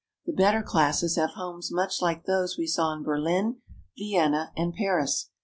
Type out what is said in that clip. The better classes have homes much like those we saw in Berlin, Vienna, and Paris.